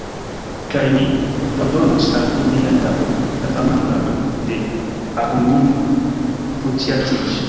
Kaj mi fordonos al vi lian glavon, la faman glavon de Akundino Putjatiĉ!